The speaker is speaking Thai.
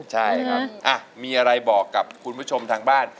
ใช่ครับมีอะไรบอกกับคุณผู้ชมทางบ้าน